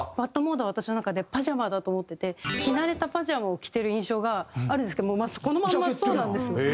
『ＢＡＤモード』は私の中でパジャマだと思ってて着慣れたパジャマを着てる印象があるんですけどもこのままそうなんですよ。